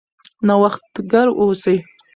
نوښتګر اوسئ.